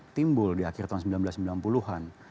timbul di akhir tahun seribu sembilan ratus sembilan puluh an